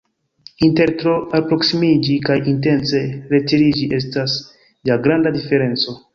Inter tro alproksimiĝi kaj intence retiriĝi estas ja granda diferenco!